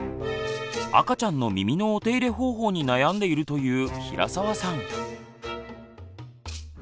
赤ちゃんの耳のお手入れ方法に悩んでいるという平澤さん。